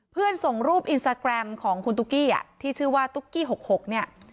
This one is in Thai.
ส่งรูปอินสตาแกรมของคุณตุ๊กกี้อ่ะที่ชื่อว่าตุ๊กกี้๖๖เนี่ย